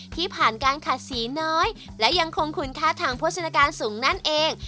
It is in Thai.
ที่ผ่านการขาดสีน้อยและยังคงคุณค่าทางโภชนาการสูงนั่นเอง